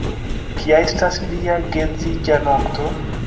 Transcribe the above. Kia estis via geedziĝa nokto?